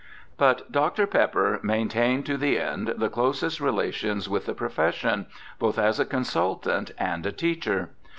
But Dr. Pepper main tained to the end the closest relations with the profession, both as a consultant and a teacher.